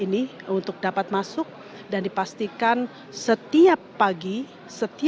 jika diberi pengetahuan kudanya mendaftarkan dan patah depan tidak bisa berkata seperti apa yang terjadi